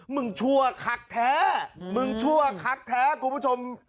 ชั่วคักแท้มึงชั่วคักแท้คุณผู้ชม